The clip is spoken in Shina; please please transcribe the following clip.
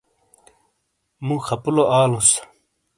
مو خپلو آلوس۔